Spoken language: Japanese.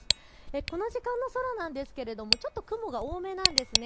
この時間の空なんですけれどもちょっと雲が多めなんですね。